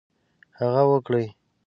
هغه وکړي.